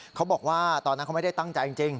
เขาบอกว่าตอนนั้นเขาไม่ได้ตั้งใจจริง